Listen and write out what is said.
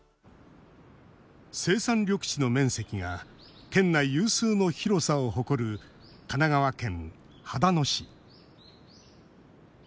生産緑地の面積が県内有数の広さを誇る神奈川県秦野市。